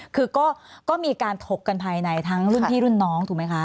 คือก็มีการถกกันภายในทั้งรุ่นพี่รุ่นน้องถูกไหมคะ